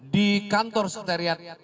di kantor seketariat